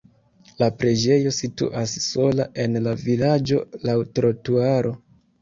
La preĝejo situas sola en la vilaĝo laŭ trotuaro.